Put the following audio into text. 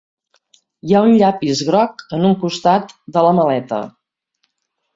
Hi ha un llapis groc en un costat de la maleta.